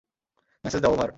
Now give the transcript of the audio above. Message দাও, over!